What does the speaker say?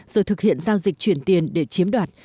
rồi thực hiện giao dịch chuyển tiền để chiếm đoạt